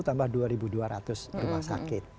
tambah dua dua ratus rumah sakit